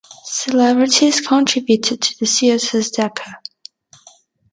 Celebrities contributed to the theater's decor.